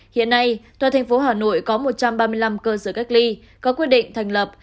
hiện nay tòa tp hà nội có một trăm ba mươi năm cơ sở cách ly có quyết định thành lập